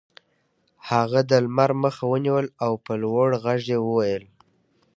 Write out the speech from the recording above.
هغه د لمر مخه ونیوله او په لوړ غږ یې وویل